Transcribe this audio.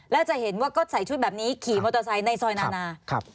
แล้วจะเห็นว่าก็ใส่ชุดแบบนี้ขี่มอเตอร์ไซค์ในซอยนานา